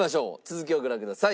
続きをご覧ください。